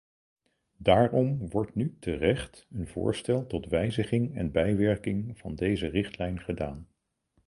Daarom wordt nu terecht een voorstel tot wijziging en bijwerking van deze richtlijn gedaan.